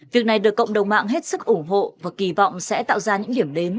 việc này được cộng đồng mạng hết sức ủng hộ và kỳ vọng sẽ tạo ra những điểm đến